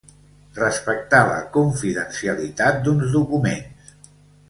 Respectar la confidencialitat d'uns documents.